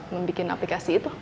membuat aplikasi itu